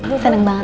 baik baik baik